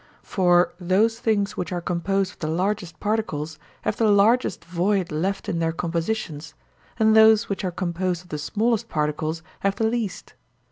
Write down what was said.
For those things which are composed of the largest particles have the largest void left in their compositions, and those which are composed of the smallest particles have the least.